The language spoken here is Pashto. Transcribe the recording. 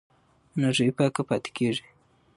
انرژي پاکه پاتې کېږي.